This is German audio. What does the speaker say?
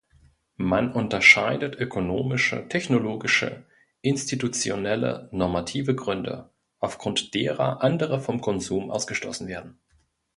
Man unterscheidet ökonomische, technologische, institutionelle, normative Gründe, aufgrund derer andere vom Konsum ausgeschlossen werden.